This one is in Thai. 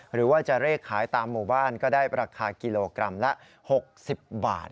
หรือว่าจะเลขขายตามหมู่บ้านก็ได้ราคากิโลกรัมละ๖๐บาท